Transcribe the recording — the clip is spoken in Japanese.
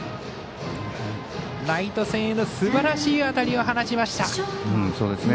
ライト線へのすばらしい当たりを放ちました。